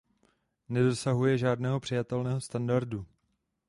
Nedosahuje žádného přijatelného standardu.